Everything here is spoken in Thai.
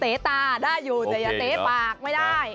ตาได้อยู่แต่อย่าเต๊ปากไม่ได้